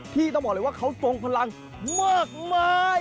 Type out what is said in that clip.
ที่ต้องบอกเลยว่าเขาทรงพลังมากมาย